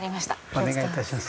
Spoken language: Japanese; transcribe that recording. お願いいたします。